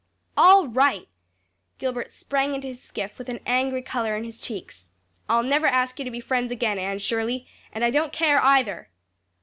"All right!" Gilbert sprang into his skiff with an angry color in his cheeks. "I'll never ask you to be friends again, Anne Shirley. And I don't care either!"